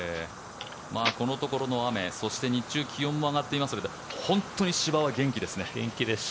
このところの雨日中、気温も上がっていますが本当に芝は元気ですね。